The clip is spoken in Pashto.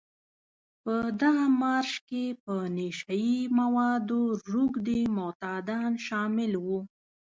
په دغه مارش کې په نشه يي موادو روږدي معتادان شامل وو.